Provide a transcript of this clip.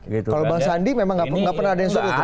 kalau bang sandi memang gak pernah ada yang suruh